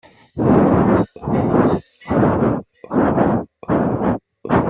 Sa prestation est saluée par la critique, certains journaux la comparant à Réjane.